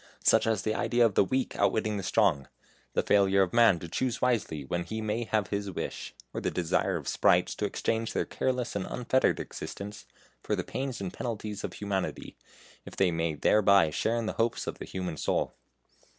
Such as the idea of the weak outwitting the strong; the failure of man to choose wisely when he may have his wish; or the desire of sprites to exchange their careless and unfettered existence for the pains and penalties of humanity, if they may thereby share in the hopes of the human soul.